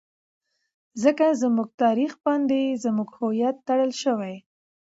ځکه زموږ تاريخ باندې زموږ هويت ټړل شوى.